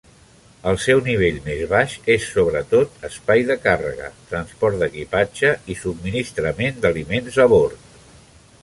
El seu nivell més baix és sobretot espai de càrrega, transport d'equipatge i subministrament d'aliments a bord.